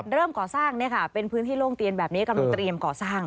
เริ่มก่อสร้างเป็นพื้นที่โล่งเตียนแบบนี้กำลังเตรียมก่อสร้าง